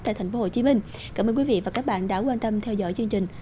tại tp hcm cảm ơn quý vị và các bạn đã quan tâm theo dõi chương trình